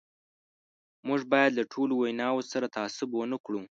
موږ باید له ټولو ویناوو سره تعصب ونه کړو.